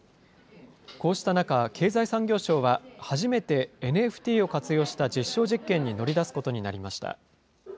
こうした中、経済産業省は初めてＮＦＴを活用した実証実験に乗り出すことになりました。